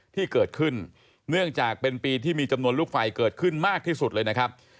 ที่เกิดขึ้นเนื่องจากเป็นปีที่มีจำนวนลูกไฟเกิดขึ้นมากที่สุดเลยนะครับ